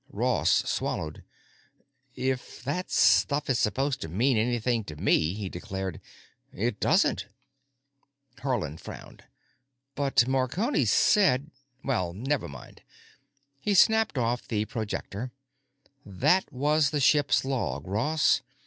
Ross swallowed. "If that stuff is supposed to mean anything to me," he declared, "it doesn't." Haarland frowned. "But Marconi said——Well, never mind." He snapped off the projector. "That was the ship's log, Ross.